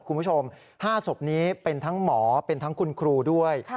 คุณผู้ชม๕ศพนี้เป็นทั้งหมอเป็นทั้งคุณครูด้วย